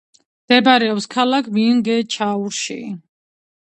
მდებარეობს ქალაქ მინგეჩაურში.